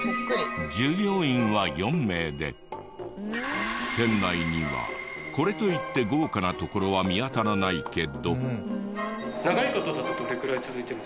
従業員は４名で店内にはこれといって豪華なところは見当たらないけど。